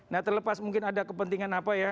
nah terlepas mungkin ada kepentingan apa ya